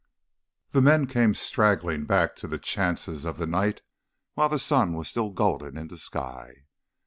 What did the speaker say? The men came straggling back to the chances of the night while the sun was still golden in the sky.